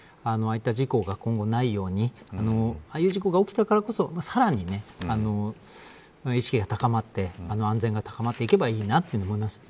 あいった事故が今後ないようにああいう事故が起きたからこそさらに意識が高まって安全が高まっていけばいいと思います。